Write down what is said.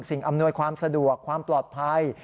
อำนวยความสะดวกความปลอดภัย